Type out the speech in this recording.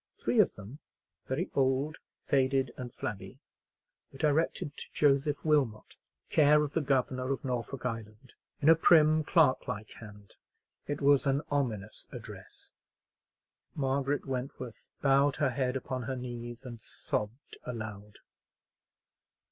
Three of them—very old, faded, and flabby—were directed to "Joseph Wilmot, care of the Governor of Norfolk Island," in a prim, clerk like hand. It was an ominous address. Margaret Wentworth bowed her head upon her knees and sobbed aloud.